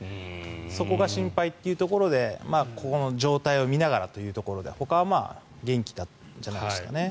そこが心配というところでこの状態を見ながらというところでほかは元気じゃないですかね。